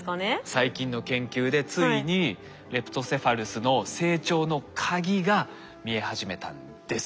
最近の研究でついにレプトセファルスの成長のカギが見え始めたんです。